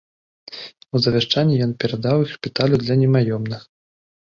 У завяшчанні ён перадаў іх шпіталю для немаёмных.